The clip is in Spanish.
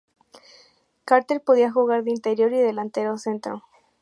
Carter podía jugar de interior y delantero centro.